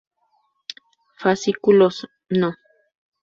Fascículos: No.